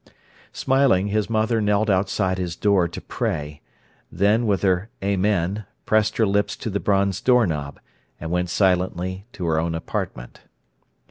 Smiling, his mother knelt outside his door to pray; then, with her "Amen," pressed her lips to the bronze door knob; and went silently to her own apartment.